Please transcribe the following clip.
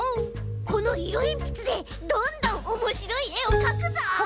このいろえんぴつでどんどんおもしろいえをかくぞ！